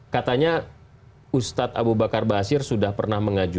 katanya ustadz abu bakar ba'asyir sudah pernah mengajar